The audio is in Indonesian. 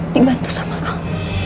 dibantu sama al